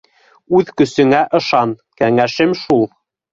Үҙ көсөңә ышан - кәңәшем шул.